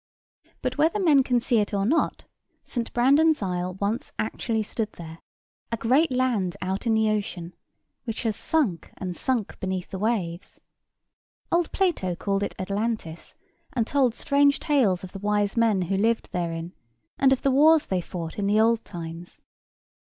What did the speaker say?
But whether men can see it or not, St. Brandan's Isle once actually stood there; a great land out in the ocean, which has sunk and sunk beneath the waves. Old Plato called it Atlantis, and told strange tales of the wise men who lived therein, and of the wars they fought in the old times.